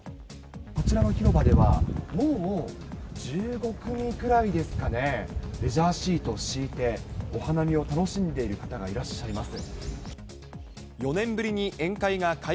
こちらの広場では、もう１５組くらいですかね、レジャーシートを敷いて、お花見を楽しんでいる方がいらっしゃいます。